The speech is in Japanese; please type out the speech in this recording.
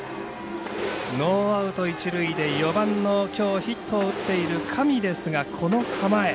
ノーアウト、一塁で４番のきょうヒットを打っている上ですが、この構え。